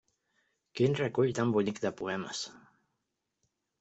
Quin recull tan bonic de poemes!